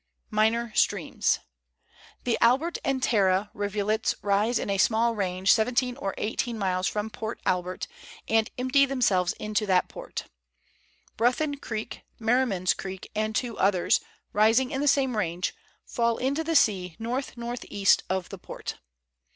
MINOR STREAMS. The Albert and Tarra rivulets rise in a small range 17 or 18 miles from Port Albert, and empty themselves into that port. Bruthen Creek, Merriman's Creek, and two others, rising in the same range, fall into the sea north north east of the Port.